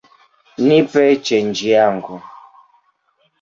Nipe chenji yangu"